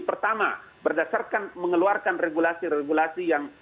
pertama berdasarkan mengeluarkan regulasi regulasi yang